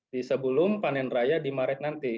di sebelum panen raya dimaret nanti